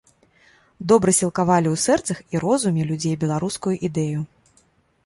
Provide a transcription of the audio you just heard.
Добра сілкавалі ў сэрцах і розуме людзей беларускую ідэю.